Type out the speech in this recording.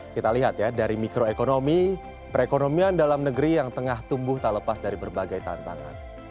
kita lihat ya dari mikroekonomi perekonomian dalam negeri yang tengah tumbuh tak lepas dari berbagai tantangan